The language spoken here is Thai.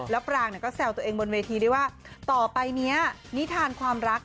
แล้วปรางก็แซวตัวเองบนเวทีด้วยว่าต่อไปนี้นิทานความรัก